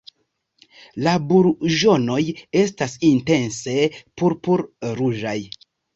La burĝonoj estas intense purpur-ruĝaj.